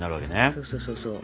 そうそうそうそう。